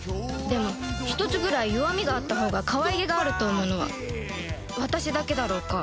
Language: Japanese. でも一つぐらい弱みがあったほうがかわいげがあると思うのは私だけだろうか？